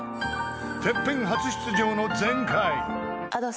［ＴＥＰＰＥＮ初出場の前回］